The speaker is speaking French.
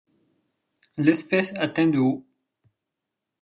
L'espèce atteint de haut.